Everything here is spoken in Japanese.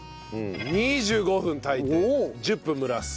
２５分炊いて１０分蒸らす。